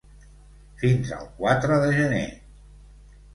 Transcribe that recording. Fins al quatre de gener.